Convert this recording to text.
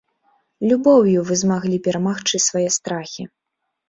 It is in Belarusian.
Любоўю вы змаглі перамагчы свае страхі.